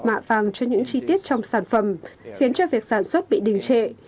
mạ vàng cho những chi tiết trong sản phẩm khiến cho việc sản xuất bị đỉnh chệ